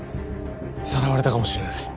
さらわれたかもしれない。